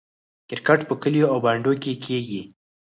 کرکټ په کلیو او بانډو کې کیږي.